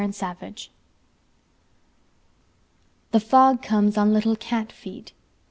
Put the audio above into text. Fog THE FOG comeson little cat feet.